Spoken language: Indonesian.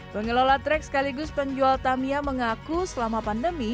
pengelola trek sekaligus penjual tamiya mengaku selama pandemi